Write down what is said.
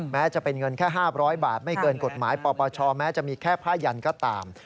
แม้จะเป็นเงินแค่๕๐๐บาทไม่เกินกฎหมายปปชแม้จะมีแค่ผ้ายันก็ตาม